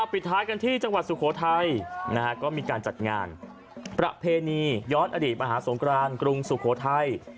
ปิดท้ายกันที่จังหวัดสุโขทัยก็มีการจัดงานประเพณีย้อนอดีตมหาสงครานกรุงสุโขทัย